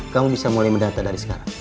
kamu bisa mulai mendata dari sekarang